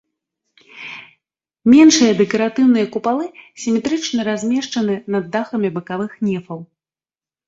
Меншыя дэкаратыўныя купалы сіметрычна размешчаны над дахамі бакавых нефаў.